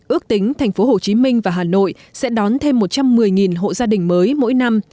ước tính thành phố hồ chí minh và hà nội sẽ đón thêm một trăm một mươi hộ gia đình mới mỗi năm